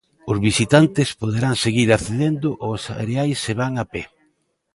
Os visitantes poderán seguir accedendo aos areais se van a pé.